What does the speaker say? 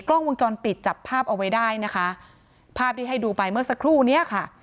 กล้องวงจรปิดจับภาพเอาไว้ได้นะคะภาพที่ให้ดูไปเมื่อสักครู่เนี้ยค่ะ